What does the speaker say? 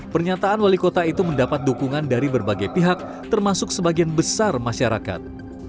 pernyataan wali kota itu mendapat dukungan dari berbagai pihak termasuk sebagian besar masyarakat